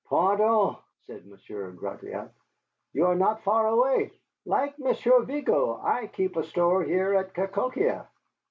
"Pardieu!" said Monsieur Gratiot, "you are not far away. Like Monsieur Vigo I keep a store here at Cahokia.